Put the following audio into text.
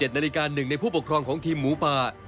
๑นาฬิกา๑ในผู้ปกครองของทีมหมูป่า